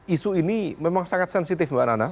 isu ini memang sangat sensitif mbak nana